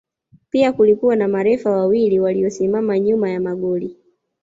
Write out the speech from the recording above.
Pia kulikuwa na marefa wawili waliosimama nyuma ya magoli